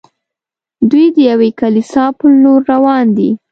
دوی د یوې کلیسا پر لور روان دي.